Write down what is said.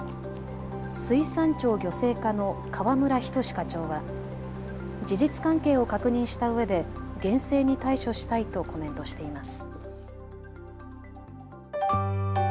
水産庁漁政課の河村仁課長は事実関係を確認したうえで厳正に対処したいとコメントしています。